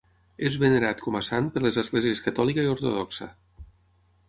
És venerat com a sant per les esglésies catòlica i ortodoxa.